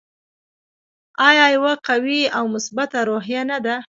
آیا یوه قوي او مثبته روحیه نه ده؟